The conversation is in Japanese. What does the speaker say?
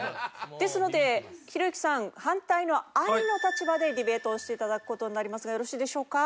ですのでひろゆきさん反対のアリの立場でディベートをしていただく事になりますがよろしいでしょうか？